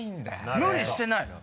無理してないのよ。